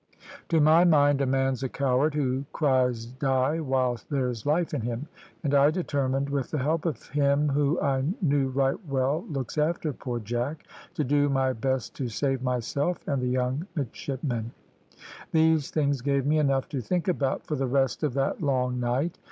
To my mind a man's a coward who cries die while there's life in him, and I determined, with the help of Him who I knew right well looks after poor Jack, to do my best to save myself and the young midshipmen. These things gave me enough to think about for the rest of that long night.